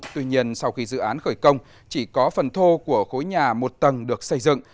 tuy nhiên sau khi dự án khởi công chỉ có phần thô của khối nhà một tầng được xây dựng